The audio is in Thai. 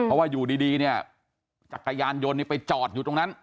เพราะว่าอยู่ดีเนี่ยจักรยานยนต์ไปจอดอยู่ตรงนั้น